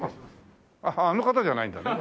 あの方じゃないんだね。